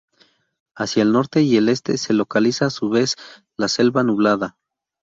Hacia el norte y el este, se localiza a su vez la "Selva nublada".